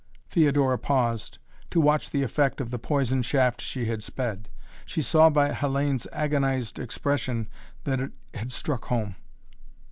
Theodora paused, to watch the effect of the poison shaft she had sped. She saw by Hellayne's agonized expression that it had struck home.